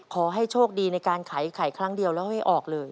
ขอให้โชคดีในการไขไข่ครั้งเดียวแล้วให้ออกเลย